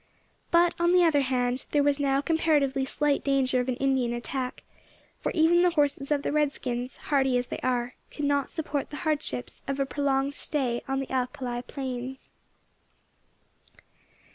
But, on the other hand, there was now comparatively slight danger of an Indian attack, for even the horses of the redskins, hardy as they are, could not support the hardships of a prolonged stay on the Alkali Plains.